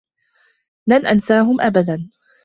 لن أنساهم أبدا.